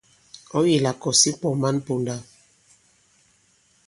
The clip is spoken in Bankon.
Ɔ̀̌ yi la kɔ̀s ǐ kwɔ̀ man ponda.